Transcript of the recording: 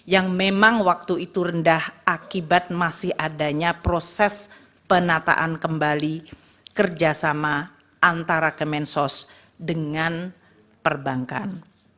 yang memang waktu itu rendah akibat masih adanya proses penataan kembali kerjasama antara kemensos dengan perbankan